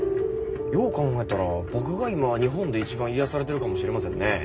よう考えたら僕が今日本で一番癒やされてるかもしれませんね。